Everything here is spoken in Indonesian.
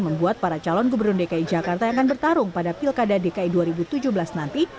membuat para calon gubernur dki jakarta yang akan bertarung pada pilkada dki dua ribu tujuh belas nanti